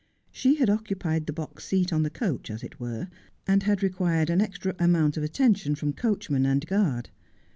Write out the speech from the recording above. She had occupied the box seat on the coach, as it were, and had required an extra amount of attention from coachman and guard.